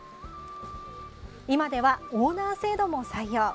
今では、オーナー制度も採用。